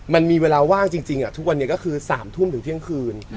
มันมีเวลาว่างจริงทุกวันนี้ก็คือ๓ทุ่มถึงเที่ยงคืน